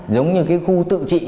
giống như cái khu tự trị